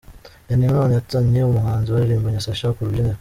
Danny Nanone yazanye umuhanzi baririmbanye Sacha ku rubyiniro :.